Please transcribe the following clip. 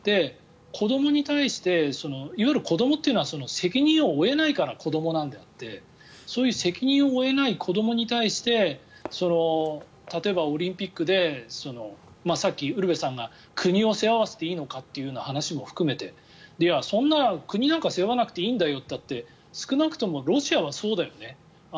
子どもに対していわゆる子どもというのは責任を負えないから子どもなのであって責任を負えない子どもに対して例えばオリンピックでさっきウルヴェさんが国を背負わせていいのかっていう話も含めてそんな国なんか背負わなくていいんだよって言ったって少なくともロシアはそうだよね。